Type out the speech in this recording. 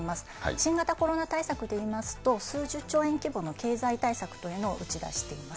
新型コロナ対策でいいますと、数十兆円規模の経済対策というのを打ち出しています。